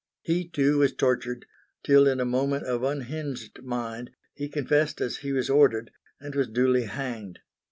He too was tortured, till in a moment of unhinged mind, he confessed as he was ordered, and was duly hanged.